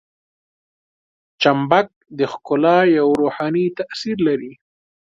چمبک د ښکلا یو روحاني تاثیر لري.